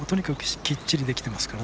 きっちりできてますから。